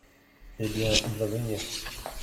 Eh bien, il va venir ?